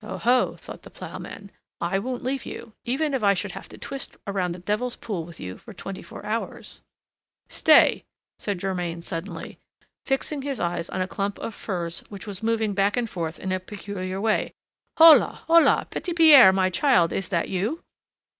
"Oho!" thought the ploughman, "I won't leave you! even if I should have to twist around the Devil's Pool with you for twenty four hours!" "Stay!" said Germain suddenly, fixing his eyes on a clump of furze which was moving back and forth in a peculiar way: "holà! holà! Petit Pierre, my child, is that you?"